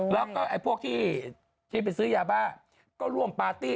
แล้วก็ไอ้พวกที่ไปซื้อยาบ้าก็ร่วมปาร์ตี้